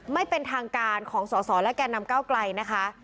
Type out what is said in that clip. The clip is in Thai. ไม่เป็นทางการของสอสอและแก่นำเก้าไกลนะคะ